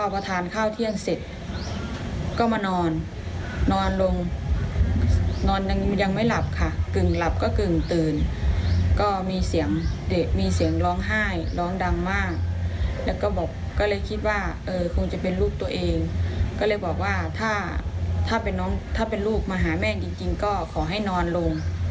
มากขึ้นจะมาฝ่ะแม่กลงมาหน้าลูกแล้วก็อะไรตำรวจกลงเธอไว้ทิ้งเพื่อให้นอนลง